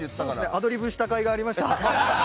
アドリブしたかいがありました。